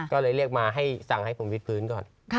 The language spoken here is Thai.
ก็เลยเรียกมาให้สั่งให้ผมวิดพื้นก่อน